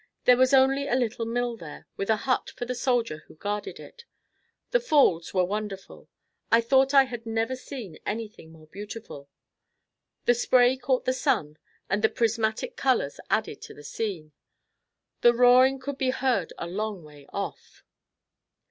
There was only a little mill there, with a hut for the soldier who guarded it. The Falls were wonderful. I thought I had never seen anything more beautiful. The spray caught the sun and the prismatic colors added to the scene. The roaring could be heard a long way off.